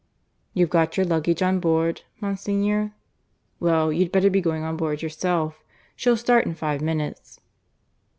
"You've got your luggage on board, Monsignor? ... Well, you'd better be going on board yourself. She'll start in five minutes."